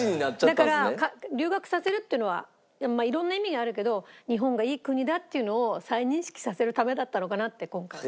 だから留学させるっていうのはまあいろんな意味があるけど日本がいい国だっていうのを再認識させるためだったのかなって今回。